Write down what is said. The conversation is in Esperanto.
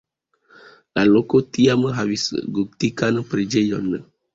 La loko tiam havis gotikan preĝejon.